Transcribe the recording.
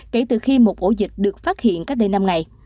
kể từ khi một ổ dịch được phát hiện cách đây năm ngày